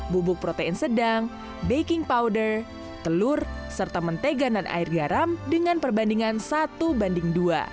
bubuk protein sedang baking powder telur serta mentega dan air garam dengan perbandingan satu banding dua